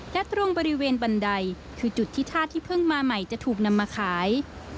และตรงบริเวณบันไดคือจุดที่ธาตุที่เพิ่งมาใหม่จะถูกนำมาขาย